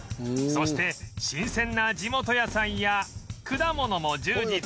そして新鮮な地元野菜や果物も充実